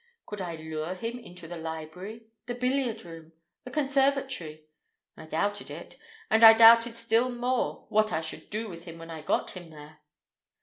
Could I lure him into the library—the billiard room—the conservatory? I doubted it, and I doubted still more what I should do with him when I got him there.